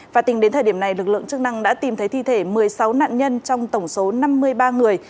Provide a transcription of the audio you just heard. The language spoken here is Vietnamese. và tính đến thời điểm này lực lượng chức năng đã tìm thấy thi thể một mươi sáu nạn nhân trong tổng số năm mươi ba người